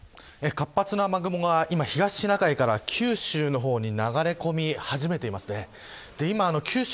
活発な雨雲が今東シナ海から九州の方に流れ込み始めています。